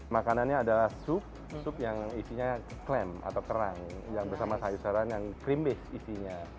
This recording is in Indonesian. makanannya adalah sup sup yang isinya klaim atau kerang yang bersama sayur sayuran yang cream base isinya